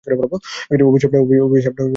অভিশাপ টা শেষ করতে?